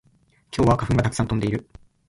今日は花粉がたくさん飛んでいる